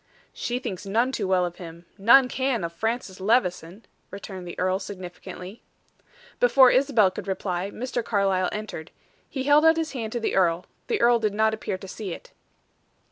"She thinks none too well of him; none can of Francis Levison," returned the earl significantly. Before Isabel could reply, Mr. Carlyle entered. He held out his hand to the earl; the earl did not appear to see it.